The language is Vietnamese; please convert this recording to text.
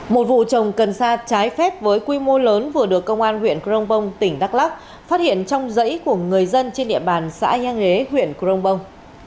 một vụ trồng cần sa trái phép với quy mô lớn vừa được công an huyện crong bông tỉnh đắk lắk phát hiện trong dãy của người dân trên địa bàn xã giang huế huyện crong bông